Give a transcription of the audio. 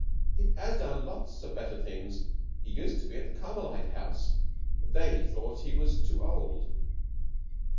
"He has done lots of better things. He used to be at Carmelite House, but they thought he was too old."